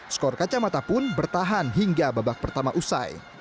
skor kacamata pun bertahan hingga babak pertama usai